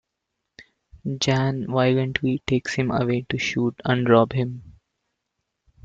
Jan violently takes him away to shoot and rob him.